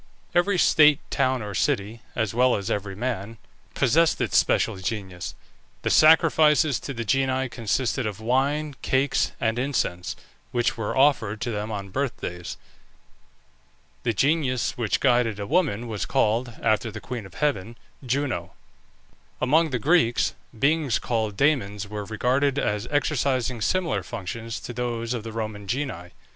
Every state, town, or city, (as well as every man), possessed its special genius. The sacrifices to the genii consisted of wine, cakes, and incense, which were offered to them on birthdays. The genius which guided a woman was called, after the queen of heaven, Juno. Among the Greeks, beings called Dæmons were regarded as exercising similar functions to those of the Roman genii.